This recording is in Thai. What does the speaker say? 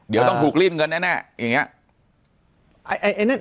เดี๋ยวต้องถูกรีดเงินแน่อย่างนี้